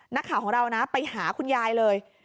นักข่าวของเรานะไปหาคุณยายเลย